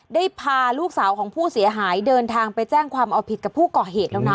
ได้พาลูกสาวของผู้เสียหายเดินทางไปแจ้งความเอาผิดกับผู้ก่อเหตุแล้วนะ